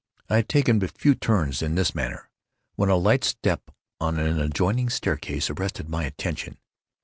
I had taken but few turns in this manner, when a light step on an adjoining staircase arrested my attention.